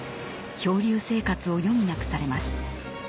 漂流生活を余儀なくされます。